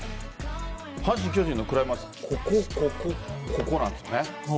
阪神巨人のクライマックス、ここ、ここ、ここなんですね。